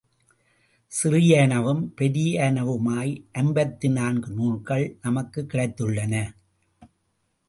சிறியனவும், பெரியனவுமாய் ஐம்பத்து நான்கு நூல்கள் நமக்குக் கிடைத்துள்ளன.